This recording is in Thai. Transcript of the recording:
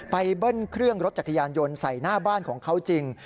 เบิ้ลเครื่องรถจักรยานยนต์ใส่หน้าบ้านของเขาจริง